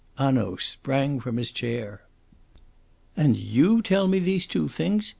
'" Hanaud sprang up from his chair. "And YOU tell me these two things!"